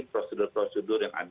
prosedur prosedur yang ada